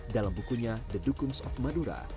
dalam bukunya the dukuns of madura